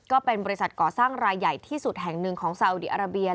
ก็เป็นบริษัทก่อสร้างรายใหญ่ที่สุดแห่งหนึ่งของสาวดีอาราเบีย